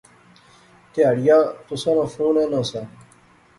تہاڑیا تسیں ناں فون ایناں سا